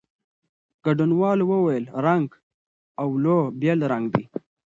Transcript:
ګډونوالو وویل، رنګ "اولو" بېل رنګ دی.